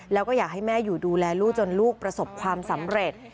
แล้วก็อยากให้แม่อยู่ดูแลลูกจนลูกประสบความสำเร็จ